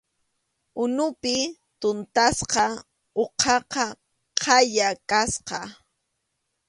Unupi tuntasqa uqaqa khaya nisqam.